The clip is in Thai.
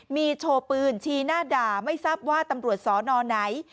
มีโชว์ปืนชี้หน้าด่าไม่ทราบว่าตำรวจสอนอไหน